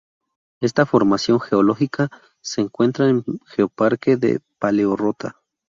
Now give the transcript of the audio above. Esta formación geológica se encuentra en geoparque de paleorrota.